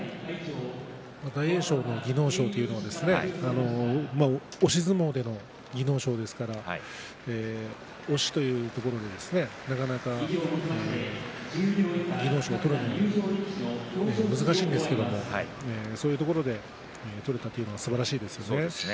大栄翔の技能賞というのは押し相撲での技能賞ですから押しというところでなかなか技能賞を取るのは難しいんですけどそういうところで取れたというのは、すばらしいですね。